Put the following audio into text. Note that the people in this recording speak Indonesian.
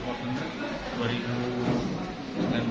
lalu kesulitan ya paling